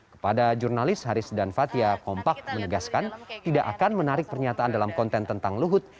kepada jurnalis haris dan fathia kompak menegaskan tidak akan menarik pernyataan dalam konten tentang luhut